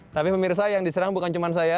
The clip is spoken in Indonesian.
tapi pemirsa yang diserang bukan cuma saya